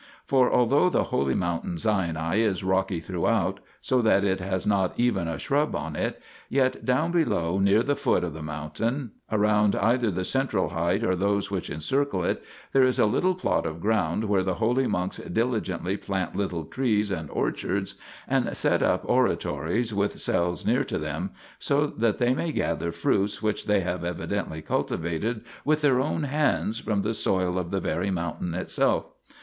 For although the holy mountain Sinai is rocky throughout, so that it has not even a shrub on it, yet down below, near the foot of the mountains, around either the central height or those which encircle it, there is a little plot of ground where the holy monks diligently plant little trees and orchards, and set up oratories with cells near to them, so that they may gather fruits which they have evi dently cultivated with their own hands from the soil of the very mountain itself.